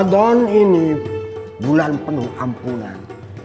ramadan ini bulan penuh ampunan